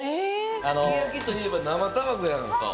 すき焼きといえば生卵やんか。